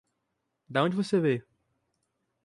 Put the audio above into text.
Da onde você veio?